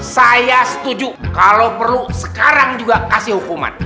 saya setuju kalau perlu sekarang juga kasih hukuman